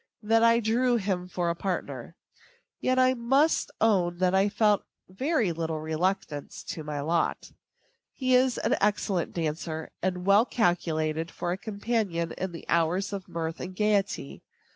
that I drew him for a partner. Yet I must own that I felt very little reluctance to my lot. He is an excellent dancer, and well calculated for a companion in the hours of mirth and gayety.